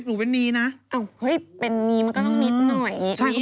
อู๊นี่ไงนี่เลย